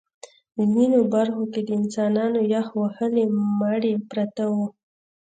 ځینو برخو کې د انسانانو یخ وهلي مړي پراته وو